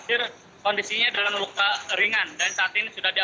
satu satunya mother death selesai